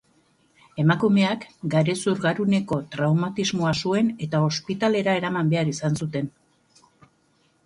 Emakumeak garezur-garuneko traumatismoa zuen eta ospitalera eraman behar izan zuten.